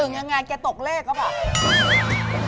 ยังไงแกตกเลขหรือเปล่า